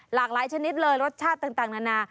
หลากหลายชนิดเลยรสชาติต่างนานา